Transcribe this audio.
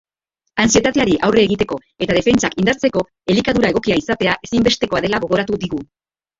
Antsietateari aurre egiteko eta defentsak indartzeko elikadura egokia izatea ezinbestekoa dela gogoratu digu.